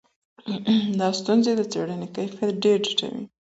دا ستونزي د څېړني کیفیت ډېر ټیټوي.